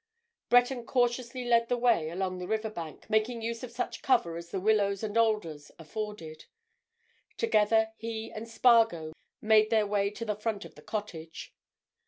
Breton cautiously led the way along the river bank, making use of such cover as the willows and alders afforded. Together, he and Spargo made their way to the front of the cottage.